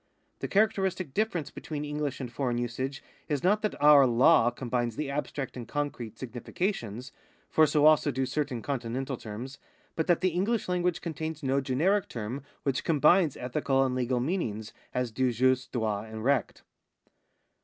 The characteristic difference between EngUsh and foreign usage is not that our law combines the abstract and concrete significations (for so also do certain Continental terms), but that the English language contains no generic term which combines ethical and legal meanings as do jus, droit, and recht.